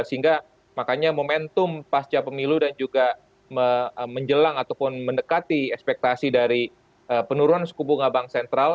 sehingga makanya momentum pasca pemilu dan juga menjelang ataupun mendekati ekspektasi dari penurunan suku bunga bank sentral